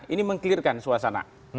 ini meng clearkan suasana